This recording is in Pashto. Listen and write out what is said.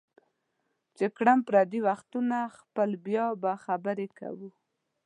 چې کړم پردي وختونه خپل بیا به خبرې کوو